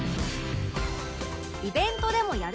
イベントでもやるかも？